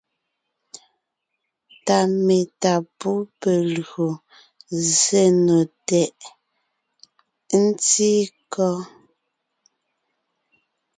Ta metá pú pe lyò zsé nò tɛʼ ? ntí kɔ́?